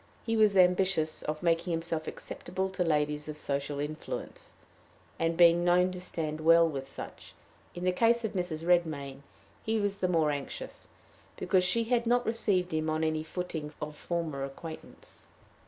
He was ambitious of making himself acceptable to ladies of social influence, and of being known to stand well with such. In the case of Mrs. Redmain he was the more anxious, because she had not received him on any footing of former acquaintance.